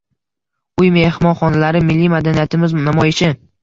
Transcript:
Uy mehmonxonalari: milliy madaniyatimiz namoyishi